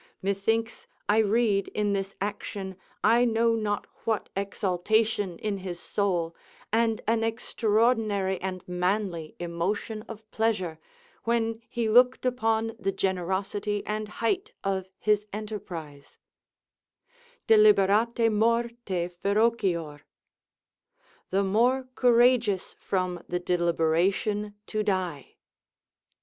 Methinks I read in this action I know not what exaltation in his soul, and an extraordinary and manly emotion of pleasure, when he looked upon the generosity and height of his enterprise: "Deliberate morte ferocior," ["The more courageous from the deliberation to die."